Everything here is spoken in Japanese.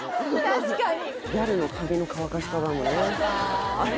確かにギャルの髪の乾かし方もねあれ